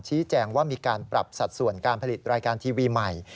ชี้แจงว่ามีการปรับสัดส่วนการผลิตรายการทีวีใหม่